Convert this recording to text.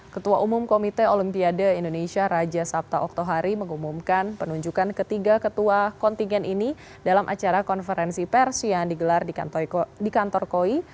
ketua umum komite olimpiade indonesia raja sabta oktohari mengumumkan penunjukan ketiga ketua kontingen ini dalam acara konferensi pers yang digelar di kantor koi